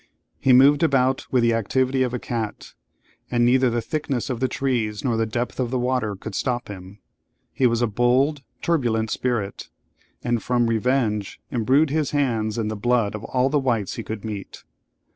He moved about with the activity of a cat, and neither the thickness of the trees, nor the depth of the water could stop him. He was a bold, turbulent spirit; and from revenge imbrued his hands in the blood of all the whites he could meet.